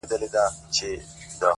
لږ دي د حُسن له غروره سر ور ټیټ که ته ـ